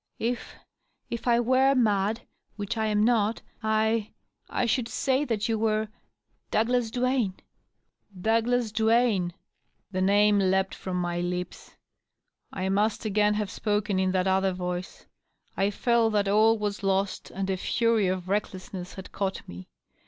" If — if I were mad, which I am not, I — I should say that you were •• Douglas Duane." " Douglas Duane !'* Vol. XXXIX.— 41 626 • DOUGLAS DUANE. The name leapt f5pom my lips. I must again have spoken in that other voice. I ^It that all was lost^ and a fury of recklessness had caught me.